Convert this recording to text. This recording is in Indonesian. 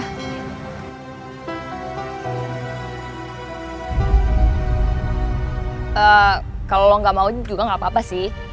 eh kalau lo gak mau juga gak apa apa sih